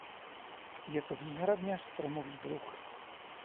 Je to výhradně stromový druh.